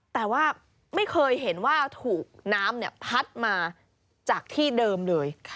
แต่ว่าไม่เคยเห็นว่าถูกน้ำพัดมาจากที่เดิมเลย